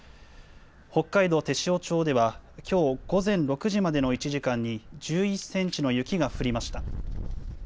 北海道天塩町ではきょう午前６時までの１時間に、１１センチの雪が降りました。